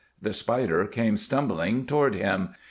The Spider came stumbling toward him.